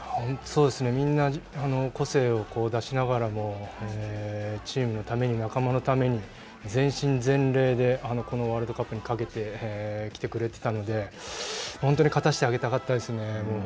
みんな、個性を出しながらもチームのために仲間のために全身全霊でこのワールドカップにかけて来てくれてたので本当に勝たせてあげたかったですね。